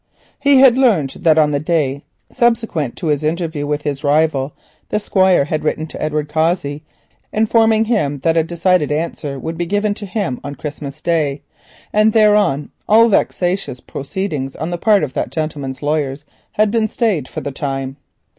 He had learnt that on the day subsequent to his interview with his rival the Squire had written to Edward Cossey informing him that a decided answer would be given to him on Christmas Day, and that thereon all vexatious proceedings on the part of that gentleman's lawyers had been stayed for the time.